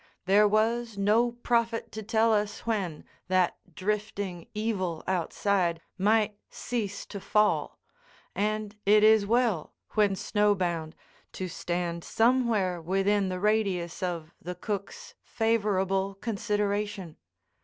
There was no prophet to tell us when that drifting evil outside might cease to fall; and it is well, when snow bound, to stand somewhere within the radius of the cook's favorable consideration.